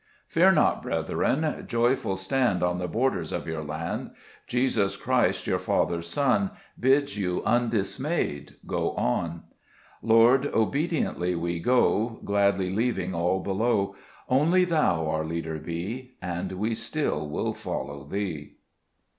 5 Fear not, brethren ; joyful stand On the borders of your land ; Jesus Christ, your Father's Son, Bids you undismayed go on. 52 £be 35est Cburcb fegmit*. Lord, obediently we go, Gladly leaving all below ; Only Thou our Leader be, And we still will follow Thee.